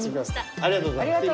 ありがとうございます。